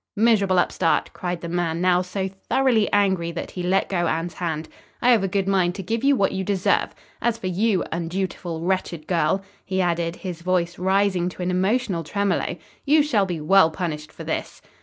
"Miserable upstart!" cried the man, now so thoroughly angry that he let go Anne's hand, "I have a good mind to give you what you deserve. As for you, undutiful, wretched girl," he added, his voice rising to an emotional tremolo, "you shall be well punished for this!"